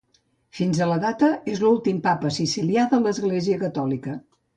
Fins a la data, és l'últim papa sicilià de l'Església Catòlica.